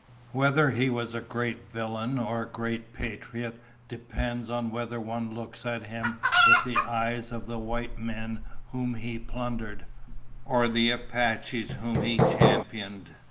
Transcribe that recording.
Whether he was a great villain or a great patriot depends on whether one looks at him with the eyes of the white men whom he plundered, or the Apaches whom he championed.